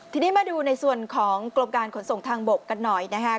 ทีนี้มาดูในส่วนของกรมการขนส่งทางบกกันหน่อยนะคะ